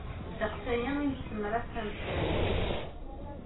Ddeqs aya i nesemras tameslayt.